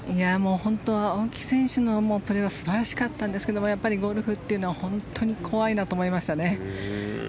本当に青木選手のプレーは素晴らしかったんですけどやっぱりゴルフというのは本当に怖いなと思いましたね。